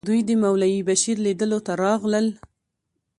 دوی د مولوي بشیر لیدلو ته راغلل.